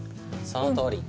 そのとおり。